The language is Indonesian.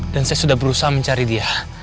dan saya sudah berusaha mencari dia